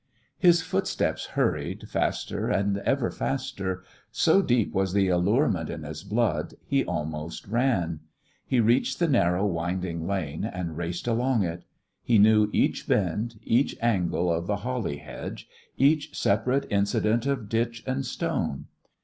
His footsteps hurried, faster and ever faster; so deep was the allurement in his blood, he almost ran. He reached the narrow, winding lane, and raced along it. He knew each bend, each angle of the holly hedge, each separate incident of ditch and stone.